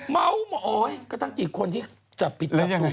เม้ามอยก็ตั้งแต่อีกคนที่จับปิดจับถูก